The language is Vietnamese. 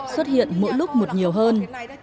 xuất hiện mỗi lúc một nhiều hơn